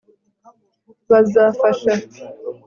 bazafasha